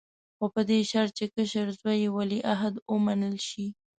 خو په دې شرط چې کشر زوی یې ولیعهد ومنل شي.